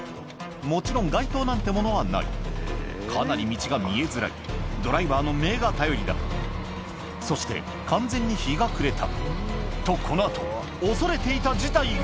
もちろん街灯なんてものはないかなり道が見えづらいドライバーの目が頼りだそして完全に日が暮れたとこの後恐れていた事態が！